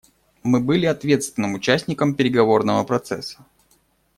Мы были ответственным участником переговорного процесса.